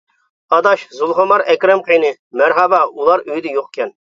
-ئاداش زۇلخۇمار ئەكرەم قېنى؟ -مەرھابا ئۇلار ئۆيدە يوقكەن.